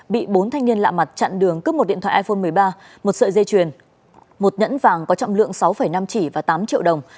bị bốn thanh niên lạ mặt chặn đường cướp một điện thoại iphone một mươi ba một sợi dây chuyền một nhẫn vàng có trọng lượng sáu năm chỉ và tám triệu đồng